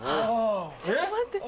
ちょっと待って。